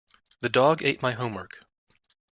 The dog ate my homework.